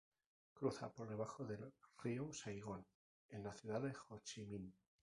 Cruza por debajo del río Saigón en la Ciudad Ho Chi Minh.